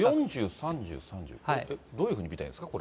どういうふうに見たらいいですか？